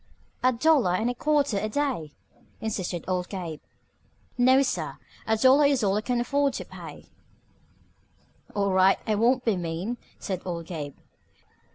"A dollar and a quatter a day," insisted old Gabe. "No, sir, a dollar is all I can afford to pay," said Philo. "All right, I won't be mean," said old Gabe.